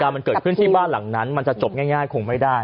มันเกิดขึ้นที่บ้านหลังนั้นมันจะจบง่ายคงไม่ได้